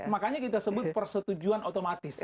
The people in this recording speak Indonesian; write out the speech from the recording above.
makanya kita sebut persetujuan otomatis